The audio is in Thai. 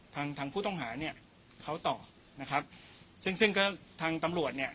ทางทางผู้ต้องหาเนี่ยเขาตอบนะครับซึ่งซึ่งก็ทางตำรวจเนี่ย